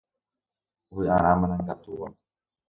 Vy'arã marangatúva.